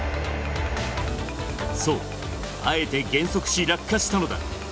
そう、あえて減速し、落下したのだ。